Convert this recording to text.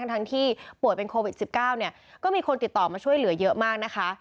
ทั้งที่ป่วยเป็นโควิด๑๙เนี่ยก็มีคนติดต่อมาช่วยเหลือเยอะมากนะคะ